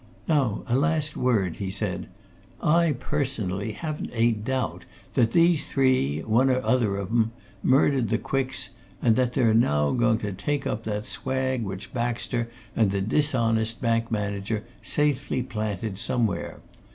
"Now a last word," he said. "I, personally, haven't a doubt that these three, one or other of 'em, murdered the Quicks, and that they're now going to take up that swag which Baxter and the dishonest bank manager safely planted somewhere.